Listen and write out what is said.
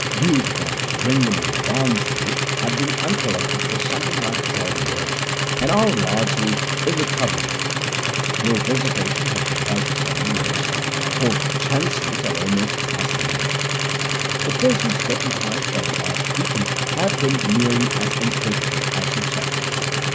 Dues upon Wringham and Barnswood have been uncollected for something like twelve years, and are largely irrecoverable; no visitation has been held for seven years; four chancels are almost past mending. The persons deputized by the archdeacon have been nearly as incapable as himself.